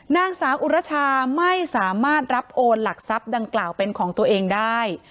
นางสาวอุรชาไม่สามารถรับโอนหลักทรัพย์ดังกล่าวเป็นของตัวเองได้